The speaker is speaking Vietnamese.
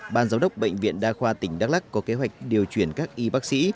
ban giám đốc bệnh viện đa khoa tỉnh đắk lắc có kế hoạch điều chuyển các y bác sĩ